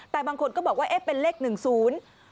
แต่บางคนก็บอกว่าเอ๊ะเป็นเลขหนึ่งศูนย์